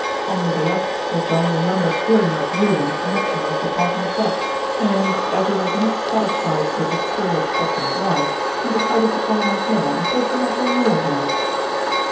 On the way up Sir John remembered hearing of you in connection with Department Z and, as he was not satisfied with his call at Scotland Yard, he decided to come on here and place the matter in your hands."